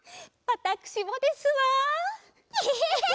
わたくしもですわ。